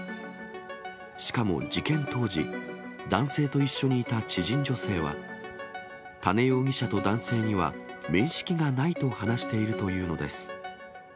しかも事件当時、男性と一緒にいた知人女性は、多禰容疑者と男性には、面識がないと話しているというのです。